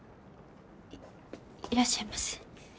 いいらっしゃいませ。